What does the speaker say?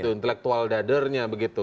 intelektual dadernya begitu